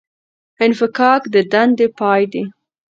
انفکاک د دندې پای دی